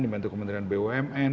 dibantu kementerian bumn